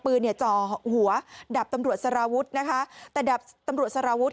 เนี่ยจ่อหัวดับตำรวจสารวุฒินะคะแต่ดับตำรวจสารวุฒิ